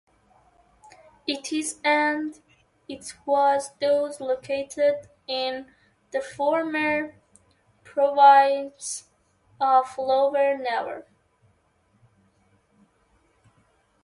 It is and it was thus located in the former province of Lower Navarre.